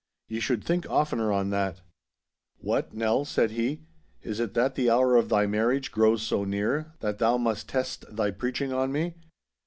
Ye should think oftener on that. 'What, Nell,' said he, 'is it that the hour of thy marriage grows so near, that thou must test thy preaching on me.